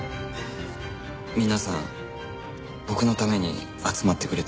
皆さん僕のために集まってくれたんですか？